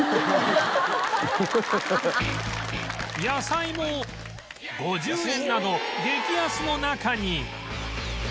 野菜も５０円など激安の中に